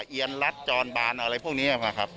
เอียนรัฐจอนบานอะไรพวกนี้นะครับ